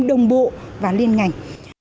đồng bộ và liên ngành